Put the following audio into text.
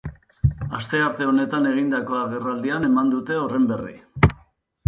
Astearte honetan egindako agerraldian eman dute horren berri.